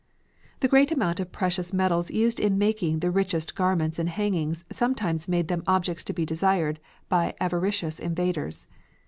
The great amount of precious metals used in making the richest garments and hangings sometimes made them objects to be desired by avaricious invaders.